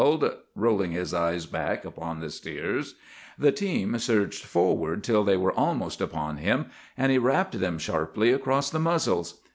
he yelled, rolling his eyes back upon the steers. "The team surged forward till they were almost upon him, and he rapped them sharply across the muzzles.